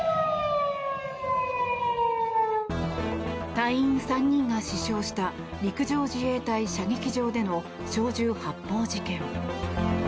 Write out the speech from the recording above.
隊員３人が死傷した陸上自衛隊射撃場での小銃発砲事件。